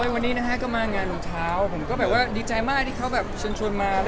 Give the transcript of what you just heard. วันนี้ก็มางานโรงเท้าดีใจมาที่เขาชนชวนมา